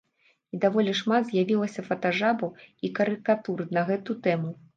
І даволі шмат з'явілася фотажабаў і карыкатур на гэту тэму.